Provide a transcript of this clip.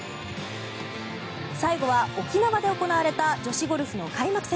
最後は沖縄で行われた女子ゴルフの開幕戦。